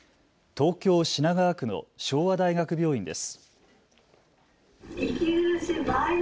東京品川区の昭和大学病院です。